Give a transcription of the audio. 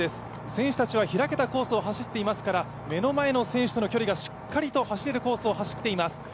選手たちは開けたコースを走っていますから、目の前の選手との距離がしっかりと走れるコースを走っています。